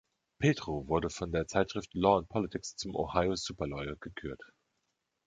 Petro wurde von der Zeitschrift Law and Politics zum „Ohio Super Lawyer“ gekürt.